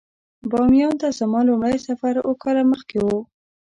باميان ته زما لومړی سفر اووه کاله مخکې و.